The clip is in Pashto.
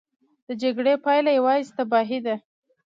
د جګړې پایله یوازې تباهي ده.